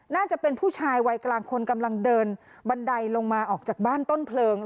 น่าจะเป็นผู้ชายวัยกลางคนกำลังเดินบันไดลงมาออกจากบ้านต้นเพลิง